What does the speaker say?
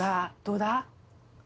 どうだ？